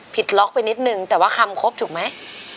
ล็อกไปนิดนึงแต่ว่าคำครบถูกไหม